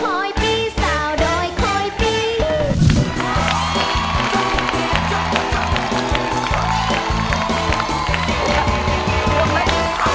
คอยปีสาวดอยคอยปี